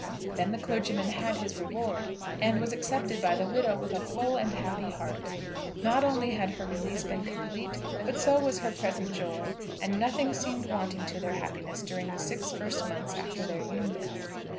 Then the clergyman had his reward, and was accepted by the widow with a full and happy heart. Not only had her release been complete, but so was her present joy; and nothing seemed wanting to their happiness during the six first months after their union.